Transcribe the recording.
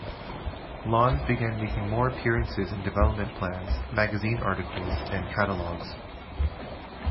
Lawns began making more appearances in development plans, magazine articles, and catalogs.